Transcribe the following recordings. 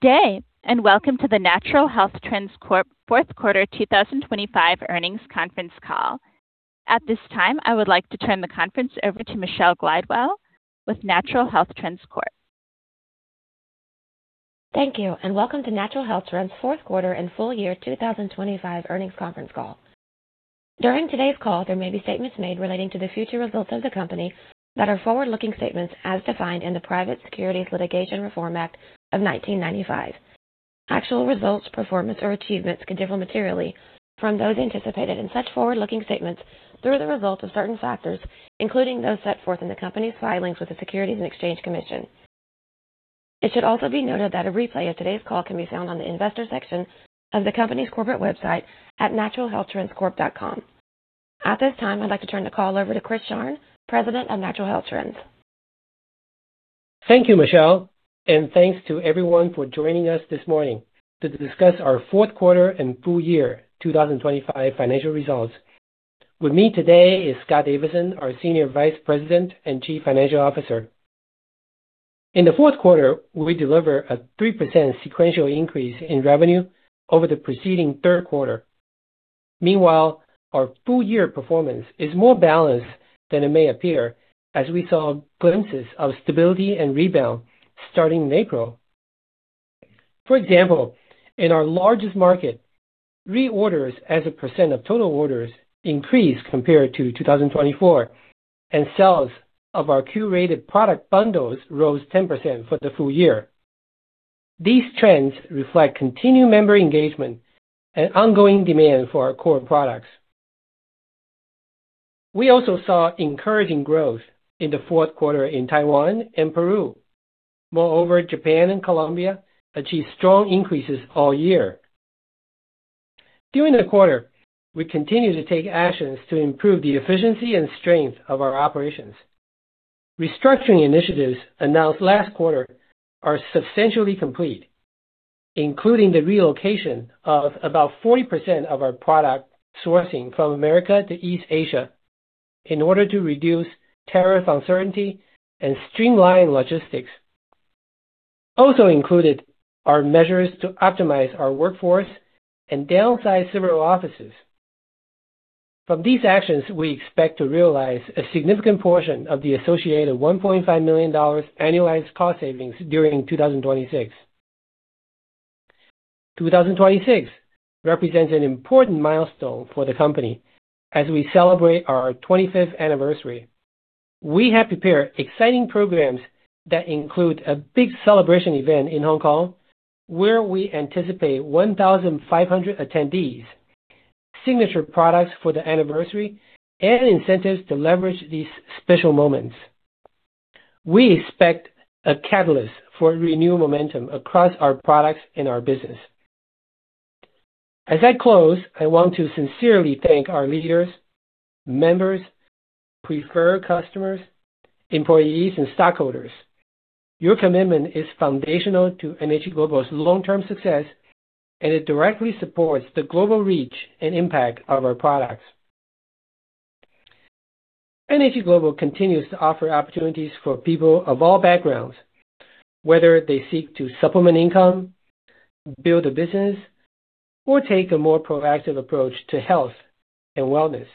day and welcome to the Natural Health Trends Corp. 4th Quarter 2025 Earnings Conference Call. At this time, I would like to turn the conference over to Michelle Glidewell with Natural Health Trends Corp. Thank you, and welcome to Natural Health Trends 4th Quarter and Full Year 2025 Earnings Conference Call. During today's call, there may be statements made relating to the future results of the company that are forward-looking statements as defined in the Private Securities Litigation Reform Act of 1995. Actual results, performance, or achievements can differ materially from those anticipated in such forward-looking statements through the result of certain factors, including those set forth in the company's filings with the Securities and Exchange Commission. It should also be noted that a replay of today's call can be found on the investor section of the company's corporate website at naturalhealthtrendscorp.com. At this time, I'd like to turn the call over to Chris Sharng, President of Natural Health Trends. Thank you, Michelle, and thanks to everyone for joining us this morning to discuss our 4th Quarter and Full Year 2025 financial results. With me today is Scott Davidson, our Senior Vice President and Chief Financial Officer. In the 4th Quarter, we delivered a 3% sequential increase in revenue over the preceding 3rd Quarter. Meanwhile, our Full Year performance is more balanced than it may appear, as we saw glimpses of stability and rebound starting in April. For example, in our largest market, reorders as a percent of total orders increased compared to 2024, and sales of our curated product bundles rose 10% for the Full Year. These trends reflect continued member engagement and ongoing demand for our core products. We also saw encouraging growth in the 4th Quarter in Taiwan and Peru. Moreover, Japan and Colombia achieved strong increases all year. During the quarter, we continue to take actions to improve the efficiency and strength of our operations. Restructuring initiatives announced last quarter are substantially complete, including the relocation of about 40% of our product sourcing from America to East Asia in order to reduce tariff uncertainty and streamline logistics. Also included are measures to optimize our workforce and downsize several offices. From these actions, we expect to realize a significant portion of the associated $1.5 million annualized cost savings during 2026. 2026 represents an important milestone for the company as we celebrate our 25th anniversary. We have prepared exciting programs that include a big celebration event in Hong Kong, where we anticipate 1,500 attendees, signature products for the anniversary, and incentives to leverage these special moments. We expect a catalyst for renewed momentum across our products and our business. As I close, I want to sincerely thank our leaders, members, preferred customers, employees, and stockholders. Your commitment is foundational to NHT Global's long-term success, and it directly supports the global reach and impact of our products. NHT Global continues to offer opportunities for people of all backgrounds, whether they seek to supplement income, build a business, or take a more proactive approach to health and wellness.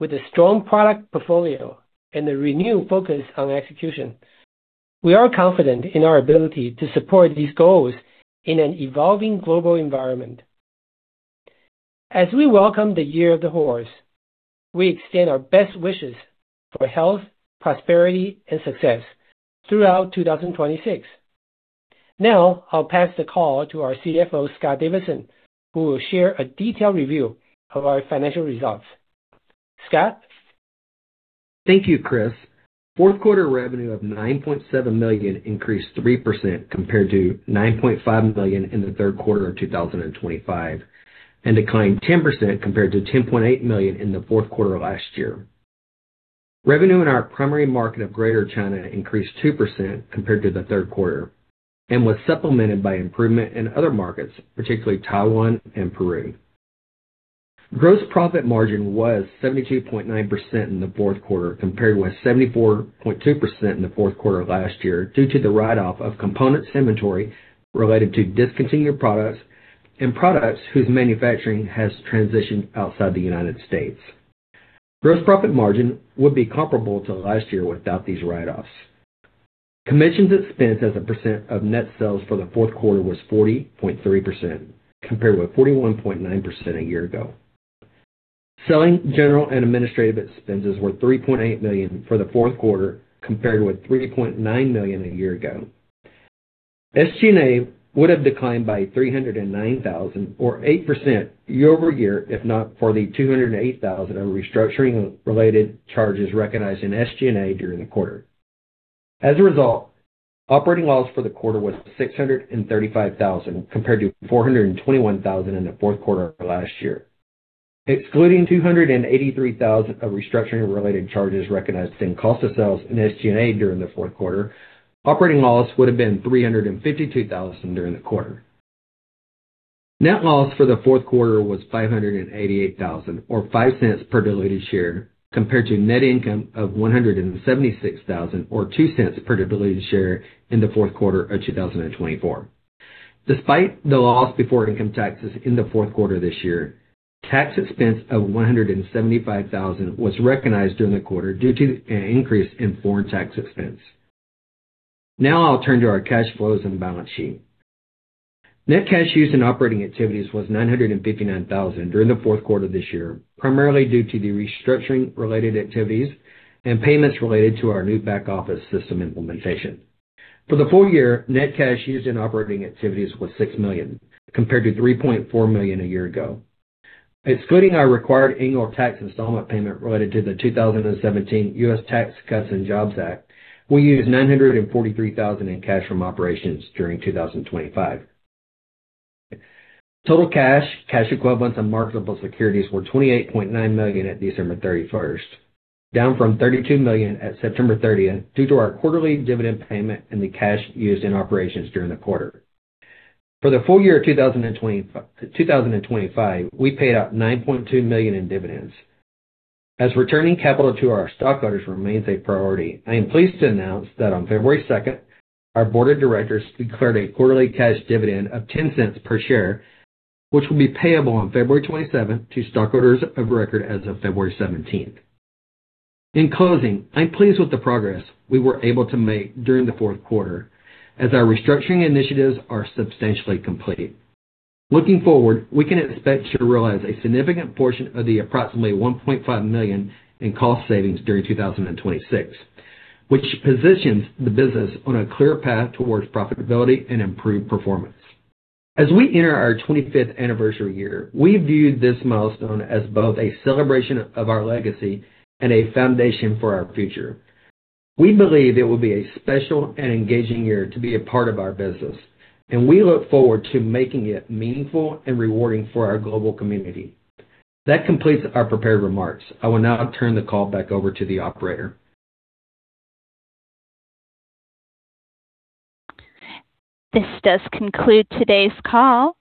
With a strong product portfolio and a renewed focus on execution, we are confident in our ability to support these goals in an evolving global environment. As we welcome the Year of the Horse, we extend our best wishes for health, prosperity, and success throughout 2026. Now I'll pass the call to our CFO, Scott Davidson, who will share a detailed review of our financial results. Scott? Thank you, Chris. Fourth Quarter revenue of $9.7 million increased 3% compared to $9.5 million in the 3rd Quarter of 2025, and declined 10% compared to $10.8 million in the 4th Quarter of last year. Revenue in our primary market of Greater China increased 2% compared to the 3rd Quarter, and was supplemented by improvement in other markets, particularly Taiwan and Peru. Gross profit margin was 72.9% in the 4th Quarter compared with 74.2% in the 4th Quarter of last year due to the write-off of components inventory related to discontinued products and products whose manufacturing has transitioned outside the United States. Gross profit margin would be comparable to last year without these write-offs. Commissions expenses as a percent of net sales for the 4th Quarter was 40.3% compared with 41.9% a year ago. Selling general and administrative expenses were $3.8 million for the 4th Quarter compared with $3.9 million a year ago. SG&A would have declined by $309,000, or 8% year-over-year if not for the $208,000 of restructuring-related charges recognized in SG&A during the quarter. As a result, operating loss for the quarter was $635,000 compared to $421,000 in the 4th Quarter of last year. Excluding $283,000 of restructuring-related charges recognized in cost of sales and SG&A during the 4th Quarter, operating loss would have been $352,000 during the quarter. Net loss for the 4th Quarter was $588,000, or $0.05 per diluted share, compared to net income of $176,000, or $0.02 per diluted share in the 4th Quarter of 2024. Despite the loss before income taxes in the 4th Quarter this year, tax expense of $175,000 was recognized during the quarter due to an increase in foreign tax expense. Now I'll turn to our cash flows and balance sheet. Net cash used in operating activities was $959,000 during the 4th Quarter of this year, primarily due to the restructuring-related activities and payments related to our new back-office system implementation. For the full year, net cash used in operating activities was $6 million, compared to $3.4 million a year ago. Excluding our required annual tax installment payment related to the 2017 U.S. Tax Cuts and Jobs Act, we used $943,000 in cash from operations during 2025. Total cash, cash equivalents, and marketable securities were $28.9 million at December 31st, down from $32 million at September 30th due to our quarterly dividend payment and the cash used in operations during the quarter. For the full year of 2025, we paid out $9.2 million in dividends. As returning capital to our stockholders remains a priority, I am pleased to announce that on February 2nd, our board of directors declared a quarterly cash dividend of $0.10 per share, which will be payable on February 27th to stockholders of record as of February 17th. In closing, I'm pleased with the progress we were able to make during the 4th Quarter, as our restructuring initiatives are substantially complete. Looking forward, we can expect to realize a significant portion of the approximately $1.5 million in cost savings during 2026, which positions the business on a clear path towards profitability and improved performance. As we enter our 25th anniversary year, we view this milestone as both a celebration of our legacy and a foundation for our future. We believe it will be a special and engaging year to be a part of our business, and we look forward to making it meaningful and rewarding for our global community. That completes our prepared remarks. I will now turn the call back over to the operator. This does conclude today's call.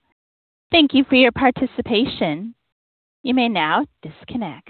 Thank you for your participation. You may now disconnect.